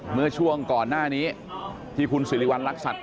เมื่อช่วงก่อนหน้านี้ที่คุณสิริวัณรักษัตริย